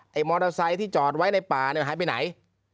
ไอ้มอเตอร์ไซค์ที่จอดไว้ในป่าหายไปไหน